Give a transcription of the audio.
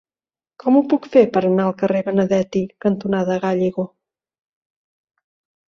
Com ho puc fer per anar al carrer Benedetti cantonada Gállego?